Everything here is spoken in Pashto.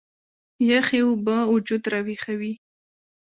يخې اوبۀ وجود راوېخوي